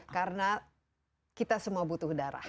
karena kita semua butuh darah